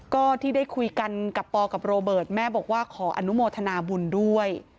ก็ที่ได้คุยกันกับปอกับโรเบิร์ตแม่บอกว่าขออนุโมทนาบุญด้วย